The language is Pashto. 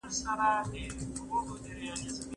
هغوی مي نه ارمانېدل.